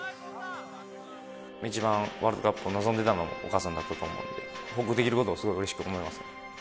一番ワールドカップを望んでたのもお母さんだったと思うので、報告できることをすごくうれしく思います。